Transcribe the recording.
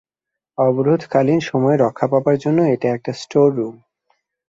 অবরোধ কালীন সময়ে রক্ষা পাবার জন্য এটা একটা স্টোররুম।